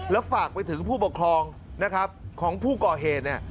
แล้วฝากไปถึงผู้ปกครองนะครับของผู้ก่อเหตุเนี่ย